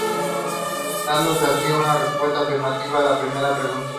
Dándose así una respuesta afirmativa a la primera pregunta.